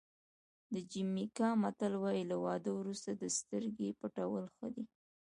د جمیکا متل وایي له واده وروسته د سترګې پټول ښه دي.